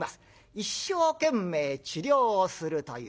一生懸命治療をするという。